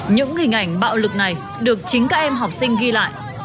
những hình ảnh bạo lực này được chính các em học sinh ghi lại